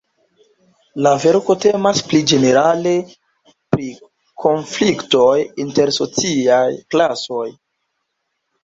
La verko temas pli ĝenerale pri konfliktoj inter sociaj klasoj.